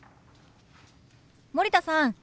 森田さん